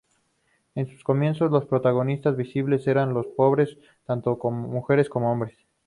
En sus comienzos los protagonistas visibles eran los pobres, tanto mujeres como hombres.